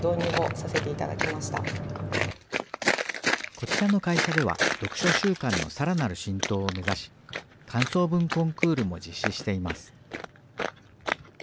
こちらの会社では読書習慣のさらなる浸透を目指し、感想文コンクールも実施しています。